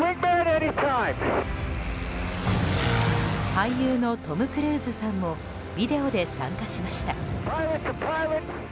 俳優のトム・クルーズさんもビデオで参加しました。